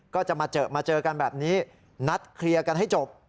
ก็จะมาเจอมาเจอกันแบบนี้นัดเคลียร์กันให้จบ